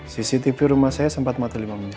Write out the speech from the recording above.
cctv rumah saya sempat mati lima menit